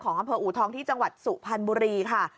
อำเภออูทองที่จังหวัดสุพรรณบุรีค่ะ